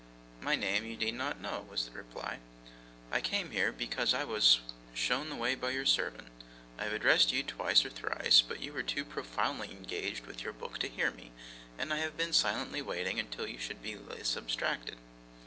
'My name you need not know,' was the reply. 'I came here, because I was shown the way by your servant. I have addressed you twice or thrice, but you were too profoundly engaged with your book to hear me, and I have been silently waiting until you should be less abstracted.